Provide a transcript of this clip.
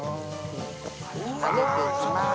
揚げて行きます。